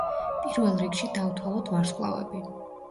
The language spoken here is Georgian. პირველ რიგში დავთვალოთ ვარსკვლავები.